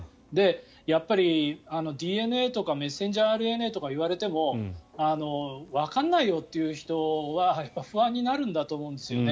やっぱり、ＤＮＡとかメッセンジャーＲＮＡとか言われてもわかんないよという人は不安になるんだと思うんですね。